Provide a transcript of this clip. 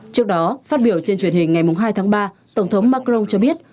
trước đó phát biểu trên truyền hình ngày hai tháng ba tổng thống macron cho biết